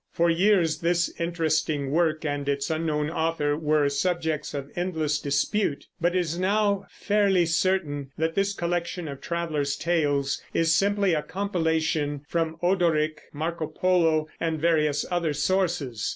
For years this interesting work and its unknown author were subjects of endless dispute; but it is now fairly certain that this collection of travelers' tales is simply a compilation from Odoric, Marco Polo, and various other sources.